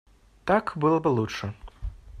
Так было бы лучше.